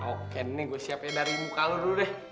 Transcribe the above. oke nih gue siapin dari muka lo dulu deh